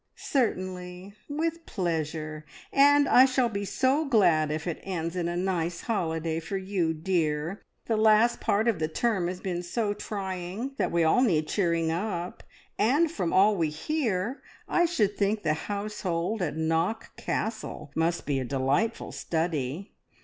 "Certainly, with pleasure; and I shall be so glad if it ends in a nice holiday for you, dear! The last part of the term has been so trying that we all need cheering up; and, from all we hear, I should think the household at Knock Castle must be a delightful study.